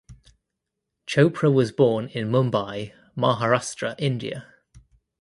Chopra was born in Mumbai Maharashtra India.